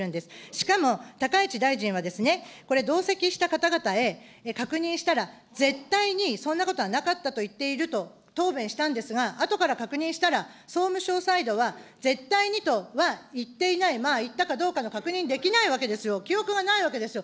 しかも高市大臣はですね、これ、同席した方々へ確認したら、絶対にそんなことはなかったと言っていると、答弁したんですが、あとから確認したら、総務省サイドは絶対にとは言っていない、まあ言ったかどうかの確認できないわけですよ、記憶がないわけですよ。